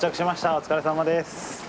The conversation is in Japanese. お疲れさまです。